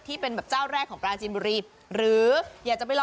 ที่เป็นแบบเจ้าแรกของปลาจีนบรี